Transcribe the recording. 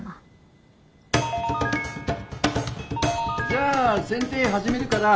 じゃあ剪定始めるから。